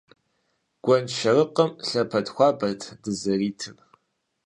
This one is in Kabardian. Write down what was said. Гуэншэрыкъым лъэпэд хуабэт дызэритыр.